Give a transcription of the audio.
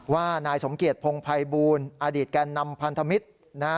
ว่านายสมเกียจพงภัยบูลอดีตแก่นำพันธมิตรนะฮะ